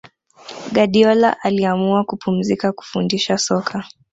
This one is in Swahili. guardiola aliamua kupumzika kufundisha soka